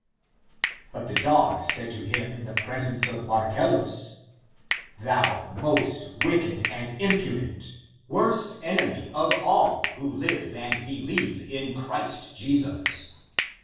But the dog said to him in the presence of Marcellus, " Thou most wicked and impudent, worst enemy of all who live and believe in Christ Jesus.